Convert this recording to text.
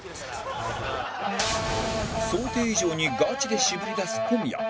想定以上にガチで渋りだす小宮